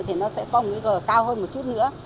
thì nó sẽ có một cái gờ cao hơn một chút nữa